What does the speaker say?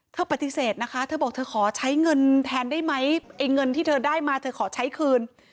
ปฏิเสธนะคะเธอบอกเธอขอใช้เงินแทนได้ไหมไอ้เงินที่เธอได้มาเธอขอใช้คืน